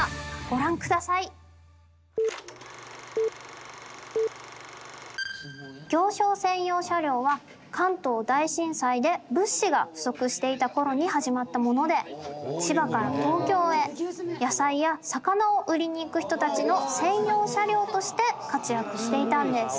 ご覧下さい行商専用車両は関東大震災で物資が不足していたころに始まったもので千葉から東京へ野菜や魚を売りにいく人たちの専用車両として活躍していたんです